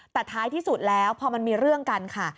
แต่ท้ายที่สุดแล้วพอมันมีเรื่องกันค่ะ